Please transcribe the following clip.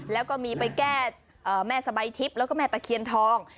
แล้วก็มีไปแก้แม่สบายทิพย์แล้วก็แม่ตะเคียนทอง